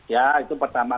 ya itu pertama